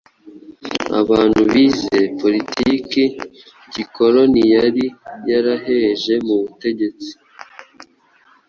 Abahutu bize, politiki gikoloni yari yaraheje mu butegetsi,